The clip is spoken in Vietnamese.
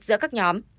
giữa các nhóm